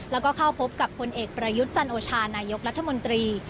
แล้วก็เข้าพบกับพลเอกประยุทธ์จันโอชานายกรัฐมนตรี